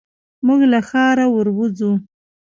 موږ له ښاره ور وځو.